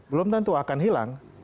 belum tentu akan hilang